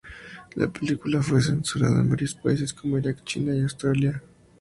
La película fue censurada en varios países, como Irak, China y Australia entre otros.